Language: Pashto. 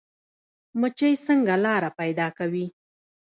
مچۍ څنګه لاره پیدا کوي؟